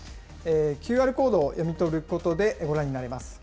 ＱＲコードを読み取ることでご覧になれます。